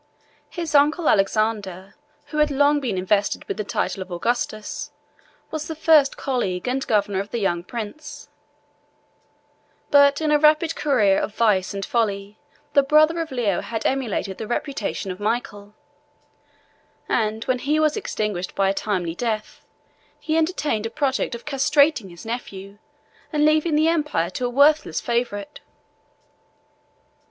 His uncle Alexander, who had long been invested with the title of Augustus, was the first colleague and governor of the young prince: but in a rapid career of vice and folly, the brother of Leo already emulated the reputation of Michael; and when he was extinguished by a timely death, he entertained a project of castrating his nephew, and leaving the empire to a worthless favorite.